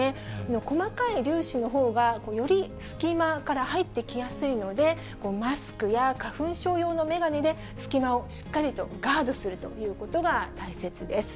細かい粒子のほうが、より隙間から入ってきやすいので、マスクや花粉症用の眼鏡で隙間をしっかりとガードするということが大切です。